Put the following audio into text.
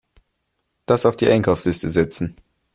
Das auf die Einkaufsliste setzen.